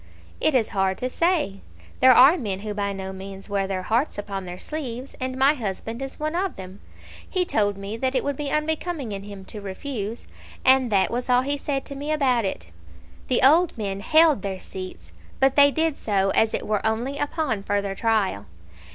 "It is hard to say. There are men who by no means wear their hearts upon their sleeves, and my husband is one of them. He told me that it would be unbecoming in him to refuse, and that was all he said to me about it." The old men held their seats, but they did so as it were only upon further trial.